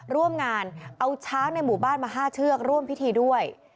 ร่วมงานเอาช้างในหมู่บ้านมา๕เชือกร่วมพิธีด้วย